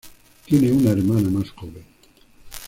Tiene una hermana más joven.